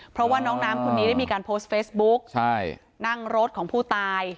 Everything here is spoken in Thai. เพราะว่าน้องน้ำคนนี้ได้มีการโพสต์เฟซบุ๊กนั่งรถของผู้ตาย